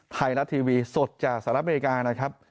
ไทยรัดทีวีสดจากสหรัฐอเมริกา